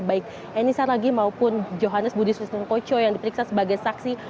baik enisa raghi maupun johannes budi sustenkocho yang diperiksa sebagai saksi